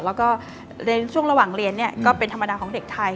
แล้วก็ในช่วงระหว่างเรียนก็เป็นธรรมดาของเด็กไทย